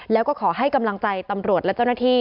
แล้วก็ขอให้กำลังใจตำรวจและเจ้าหน้าที่